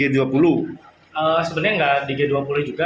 sebenarnya nggak di g dua puluh juga